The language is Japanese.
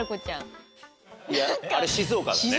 いやあれ静岡だね。